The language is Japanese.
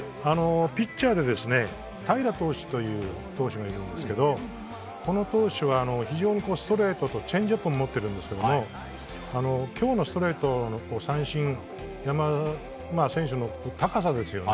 ピッチャーで平良投手という投手がいるんですがこの投手は非常にいいストレートとチェンジアップを持っているんですが今日のストレート三振選手の高さですよね。